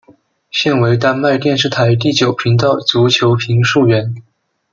现为丹麦电视台第九频道足球评述员。